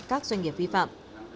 các doanh nghiệp vi phạm